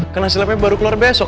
karena silapnya baru keluar besok